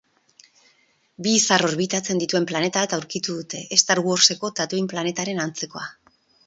Bi. izar orbitatzen dituen planeta bat aurkitu dute, ‘Star Wars’eko ‘Tatooine’ planetaren antzekoa